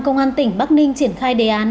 công an tỉnh bắc ninh triển khai đề án